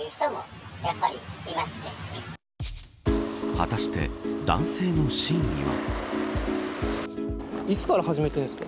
果たして、男性の真意は。